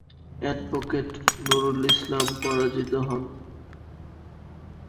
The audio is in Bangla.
অ্যাডভোকেট নুরুল ইসলাম পরাজিত হন।